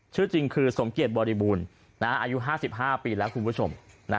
ชื่อจริงคือสมเกียจบริบูรณ์อายุ๕๕ปีแล้วคุณผู้ชม